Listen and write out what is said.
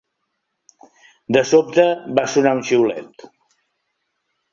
De sobre va sonar un xiulet.